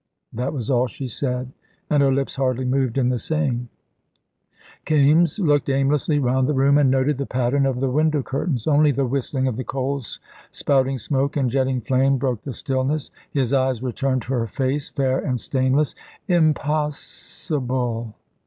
That was all she said, and her lips hardly moved in the saying. Kaimes looked aimlessly round the room, and noted the pattern of the window curtains. Only the whistling of the coals, spouting smoke and jetting flame, broke the stillness. His eyes returned to her face, fair and stainless. "Impos s sible!"